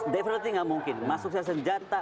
deverty nggak mungkin masuknya senjata